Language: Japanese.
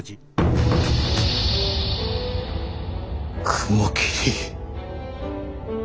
雲霧。